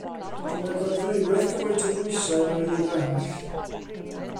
Dylai fod ddwywaith gymaint o bwysau na'r un arall.